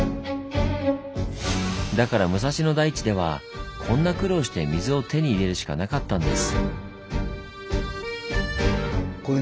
だから武蔵野台地ではこんな苦労して水を手に入れるしかなかったんです。